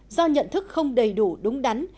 do nhận thức không đầy đủ đúng đắn